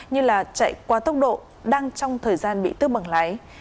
như là chạy qua tốc độ đang trong thời gian bị tước bằng lái